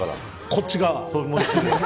こっち側。